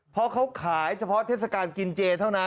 เพราะเขาขายเฉพาะเทศกาลกินเจเท่านั้น